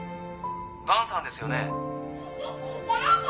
伴さんですよね？」